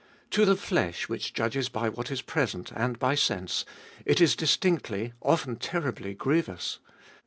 To the flesh which judges by what is present and by sense, it is distinctly, often terribly, grievous.